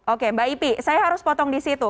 oke mbak ipi saya harus potong disitu